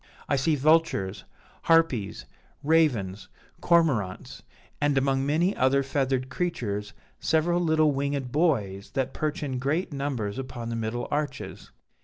I see vultures, harpies, ravens, cormorants, and, among many other feathered creatures, several little winged boys that perch in great numbers upon the middle arches.'